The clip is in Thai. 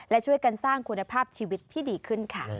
และช่วยกันสร้างคุณภาพชีวิตที่ดีขึ้นค่ะ